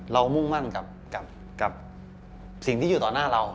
มุ่งมั่นกับสิ่งที่อยู่ต่อหน้าเรา